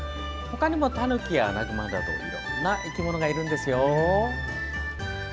他にもタヌキやアナグマなどいろいろな生き物がいるんですよ。